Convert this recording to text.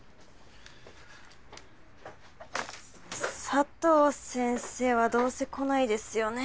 佐藤先生はどうせ来ないですよね